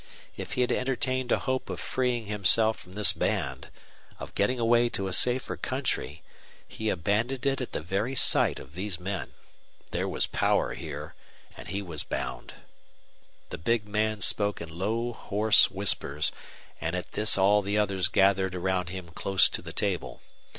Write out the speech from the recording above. If he had entertained a hope of freeing himself from this band, of getting away to a safer country, he abandoned it at the very sight of these men. There was power here, and he was bound. The big man spoke in low, hoarse whispers, and at this all the others gathered around him close to the table.